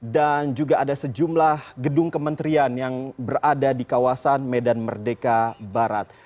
dan juga ada sejumlah gedung kementerian yang berada di kawasan medan merdeka barat